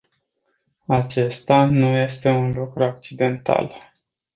Acesta nu este un lucru accidental.